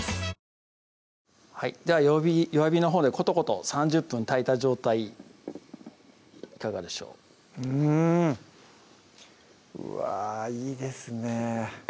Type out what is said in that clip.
弱火のほうでことこと３０分炊いた状態いかがでしょううんうわいいですね